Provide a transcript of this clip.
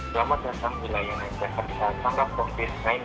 selamat datang di layanan jakarta tangga provinsi sembilan g